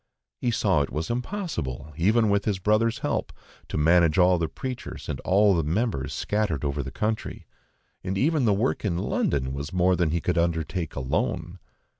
He saw it was impossible, even with his brother's help, to manage all the preachers and all the members scattered over the country, when even the work in London was more than he could undertake alone.